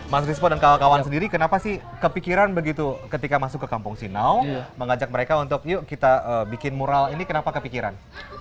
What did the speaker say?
mas rizpo dan kawan kawan sendiri kenapa sih kepikiran begitu ketika masuk ke kampung sinaw mengajak mereka untuk yuk kita bikin mural ini kenapa kepikiran